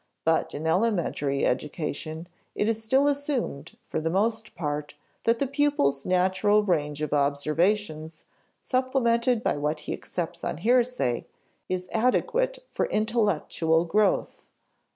But in elementary education, it is still assumed, for the most part, that the pupil's natural range of observations, supplemented by what he accepts on hearsay, is adequate for intellectual growth.